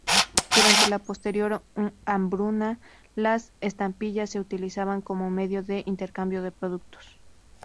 Durante la posterior hambruna, las estampillas se utilizaban como medio de intercambio de productos.